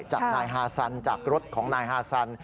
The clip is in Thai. จากนายฮาซันจากรถของนายฮาซัน